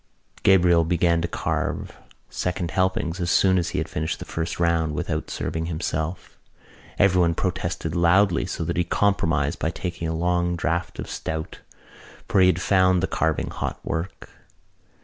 Gabriel began to carve second helpings as soon as he had finished the first round without serving himself. Everyone protested loudly so that he compromised by taking a long draught of stout for he had found the carving hot work.